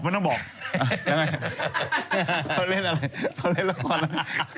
ยังไงเขาเล่นอะไรเขาเล่นละครละ